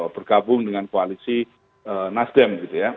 bergabung dengan koalisi nasdem